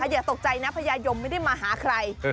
อย่าตกใจนะพญายมไม่ได้มาหาใคร